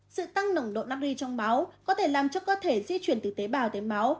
sự tăng nồng độ napri trong máu có thể làm cho cơ thể di chuyển từ tế bào tới máu